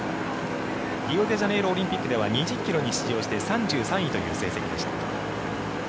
リオデジャネイロオリンピックでは２０ｋｍに出場して３３位という成績でした。